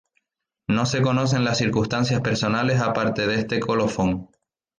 No se conocen las circunstancias personales aparte de este colofón.